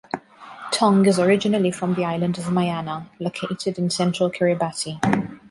Tong is originally from the island of Maiana, located in central Kiribati.